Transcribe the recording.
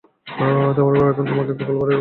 তোমার বাবা এখন তোমাকে গোপাল ভাঁড়ের গল্প শুনাবে।